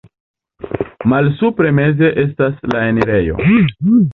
Malsupre meze estas la enirejo.